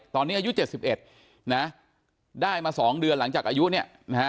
ตอนนี้อายุ๗๑ได้มา๒เดือนหลังจากอายุนี้